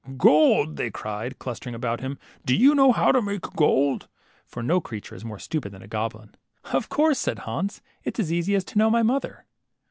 Gold," they cried, clustering about him, do you know how to make gold?" for no creature is more stupid than a goblin. Of course," said Hans, it's as easy as to know my mother."